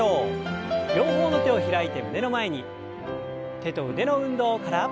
手と腕の運動から。